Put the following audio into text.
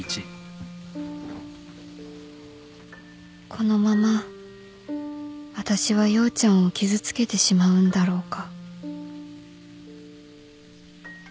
このままあたしは陽ちゃんを傷つけてしまうんだろうか